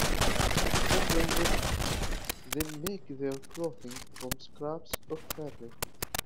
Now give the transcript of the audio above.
Children would then make their clothing from scraps of fabric.